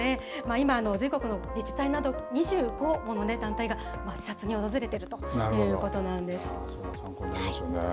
今、全国の自治体など、２５もの団体が視察に訪れているというこそれは参考になりますよね。